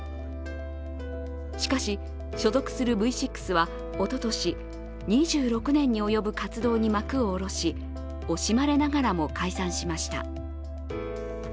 しかし、所属するＶ６はおととし２６年に及ぶ活動に幕を下ろし、惜しまれながらも解散しました。